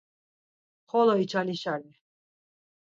Xolo içilasere.